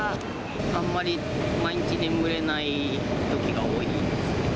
あんまり毎日眠れないときが多いですね。